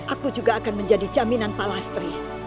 aku juga akan menjadi jaminan pak lastri